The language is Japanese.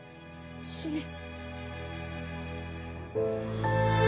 「死ね」